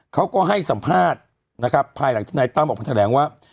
เขาก็ให้สัมภาษณ์นะครับภายหลังที่นายตั้มออกมาแถลงว่า